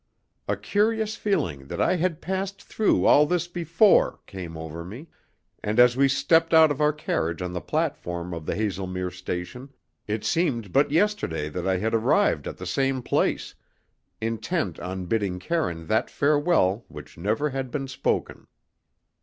A curious feeling that I had passed through all this before came over me, and as we stepped out of our carriage on the platform of the Haslemere station it seemed but yesterday that I had arrived at the same place, intent on bidding Karine that farewell which never had been spoken.